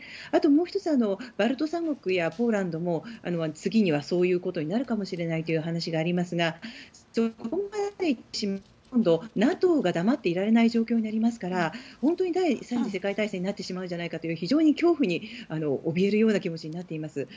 あともう１つ、バルト三国やポーランドも次にはそういうことになるかもしれないという話がありますが、今度はＮＡＴＯが黙っていられない状況になりますから本当に第３次世界大戦になってしまうのではないかという恐怖におびえる気持ちです。